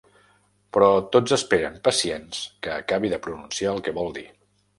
Però tots esperen, pacients, que acabi de pronunciar el que vol dir.